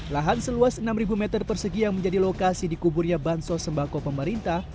lahan seluas enam meter persegi yang menjadi lokasi dikuburnya bansos sembako pemerintah